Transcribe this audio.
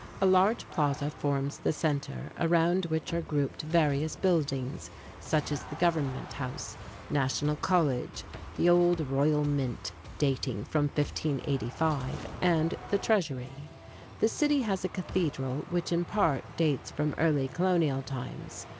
A large plaza forms the center, around which are grouped various buildings, such as the government house, national college, the old "Royal Mint," dating from 1585, and the treasury. The city has a cathedral, which in part dates from early colonial times.